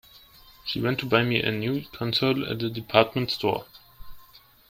She went to buy me a new console at the department store.